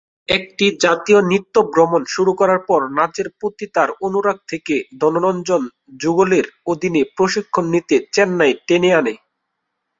একটি জাতীয় নৃত্য ভ্রমণ শুরু করার পর, নাচের প্রতি তাঁর অনুরাগ তাঁকে ধনঞ্জয় যুগলের অধীনে প্রশিক্ষণ নিতে চেন্নাই টেনে আনে।